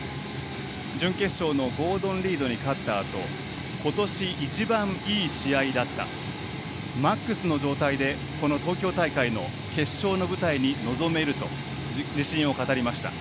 準決勝のゴードン・リードに勝ったあとことし一番いい試合だったマックスの状態でこの東京大会の決勝の舞台に臨めると自信を語りました。